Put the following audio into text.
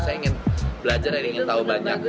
saya ingin belajar dan ingin tau banyak gitu